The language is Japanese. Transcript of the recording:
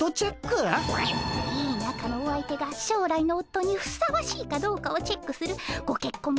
いいなかのお相手が将来のおっとにふさわしいかどうかをチェックするごけっこん